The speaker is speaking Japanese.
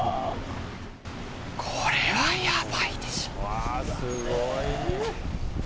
これはやばいでしょ。